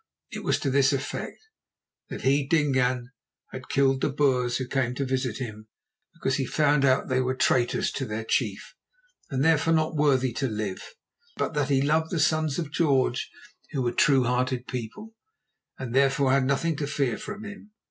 It was to this effect: That he, Dingaan, had killed the Boers who came to visit him because he found out that they were traitors to their chief, and therefore not worthy to live. But that he loved the Sons of George, who were true hearted people, and therefore had nothing to fear from him.